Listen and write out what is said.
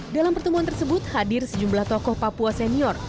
dalam pertemuan tersebut hadir sejumlah tokoh papua senior